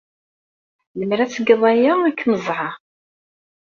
Lemmer ad tgeḍ aya, ad kem-ẓẓɛeɣ.